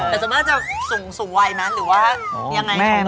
แต่สำหรับจะสูงวัยนะหรือว่ายังไงของโน้น